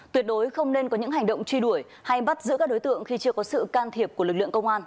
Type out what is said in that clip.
tuyệt đối không nên có những hành động truy đuổi hay bắt giữ các đối tượng khi chưa có sự can thiệp của lực lượng công an